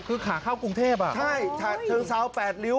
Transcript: คือขาข้าวกรุงเทพอะโอ้โหใช่ถ้าเธอเป็นที่๘ลิ้ว